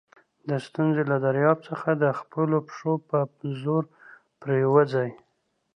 د ستونزي له دریاب څخه د خپلو پښو په زور پورېوځئ!